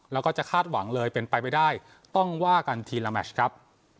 แล้วก็จะคาดหวังเลยเป็นไปไม่ได้ต้องว่ากันทีละแมชครับ